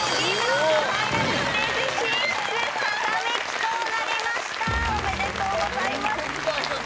おめでとうございます。